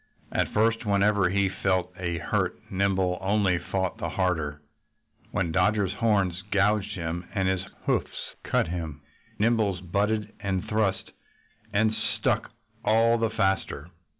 At first, whenever he felt a hurt Nimble only fought the harder. When Dodger's horns gouged him and his hoofs cut him Nimble butted and thrust and struck all the faster.